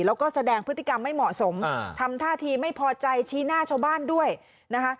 แล้วก็แสดงพฤติกรรมไม่เหมาะสมทำท่าทีไม่พอใจชี้หน้าชาวบ้านด้วยนะคะ